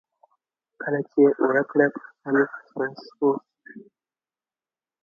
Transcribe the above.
کله چې یې اوړه کړه په خپل خر سپور شو.